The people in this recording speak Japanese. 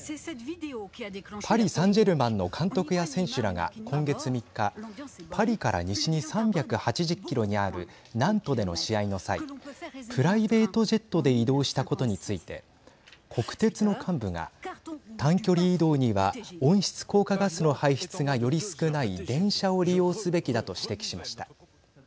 パリサンジェルマンの監督や選手らが今月３日パリから西に３８０キロにあるナントでの試合の際プライベートジェットで移動したことについて国鉄の幹部が短距離移動には温室効果ガスの排出がより少ない電車を利用すべきだと指摘しました。